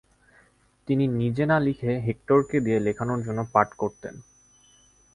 তিনি নিজে না লিখে হেক্টরকে দিয়ে লেখানোর জন্য পাঠ করতেন।